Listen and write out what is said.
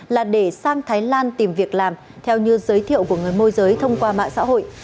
là để sang thái lan tìm việc làm theo như giới thiệu của người môi giới thông qua mạng xã hội